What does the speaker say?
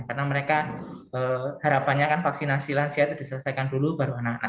karena mereka harapannya kan vaksinasi lansia itu diselesaikan dulu baru anak anak